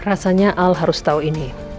rasanya al harus tahu ini